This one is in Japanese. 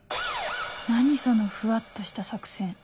何そのふわっとした作戦